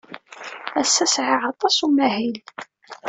Ass-a sɛiɣ aṭas n umahil.